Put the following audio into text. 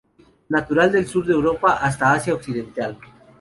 Natural del sur de Europa hasta Asia occidental.